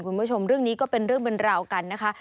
คุณผู้ชมเรื่องนี้ก็เป็นเรื่องเป็นราวกันนะคะ